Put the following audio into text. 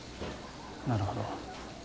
なるほど。